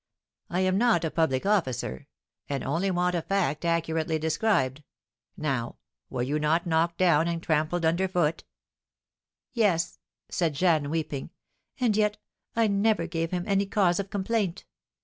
I am not a public officer, and only want a fact accurately described. Now, were you not knocked down, and trampled under foot?" "Yes!" said Jeanne, weeping; "and yet I never gave him any cause of complaint.